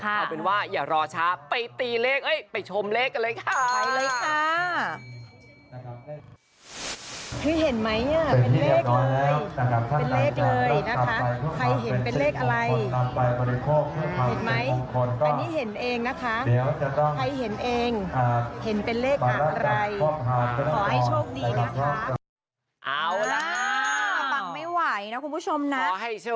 เอาเป็นว่าอย่ารอช้าไปชมเลขกันเลยค่ะ